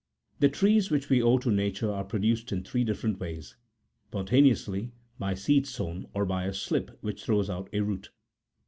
The trees which we owe to Nature are produced in three different ways; spontaneously, by seed sown, or by a slip which throws out a root.